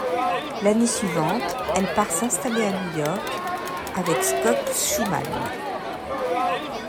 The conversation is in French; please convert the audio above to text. L'année suivante, elle part s'installer à New York avec Scott Schumann.